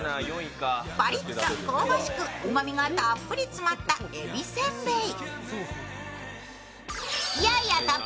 パリッと香ばしく、うまみがたっぷり詰まったえびせんべい。